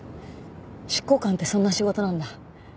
執行官ってそんな仕事なんだ。